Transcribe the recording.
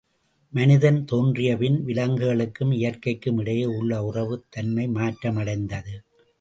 மனிதன் தோன்றிய பின் விலங்குகளுக்கும் இயற்கைக்கும் இடையே உள்ள உறவு தன்மை, மாற்றம் அடைந்தது.